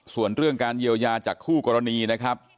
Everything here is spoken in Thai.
ส่วนเรื่องการเยียวยาจากคู่กรณีนะครับ